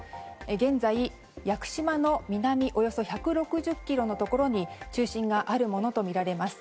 現在、屋久島の南およそ１６０ｋｍのところに中心があるものとみられます。